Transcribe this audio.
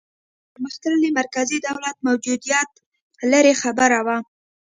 د پرمختللي مرکزي دولت موجودیت لرې خبره وه.